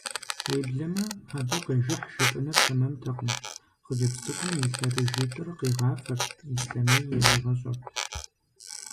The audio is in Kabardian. Уеблэмэ, абы къежыхь жыпӀэныр тэмэмтэкъым: хъыджэбз цӀыкӀум и лъэрыжитӀыр къигъафэрт, ислъэмей яригъэщӀырт.